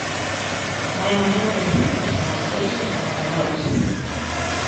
¡Vaia maneira de defender os traballadores e as traballadoras!